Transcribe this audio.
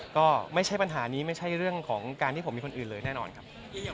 ก็ไม่ใช่ปัญหานี้ไม่ใช่เรื่องของการที่ผมมีคนอื่นเลยแน่นอนครับ